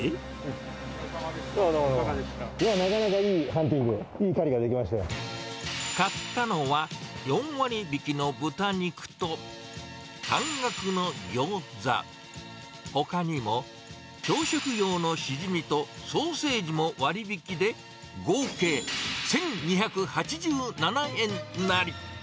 お疲れさまでした、いかがでいやー、なかなかいいハンティング、買ったのは４割引きの豚肉と、半額のギョーザ、ほかにも朝食用のシジミとソーセージも割引で、合計１２８７円なり。